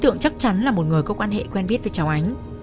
tượng chắc chắn là một người có quan hệ quen biết với cháu ánh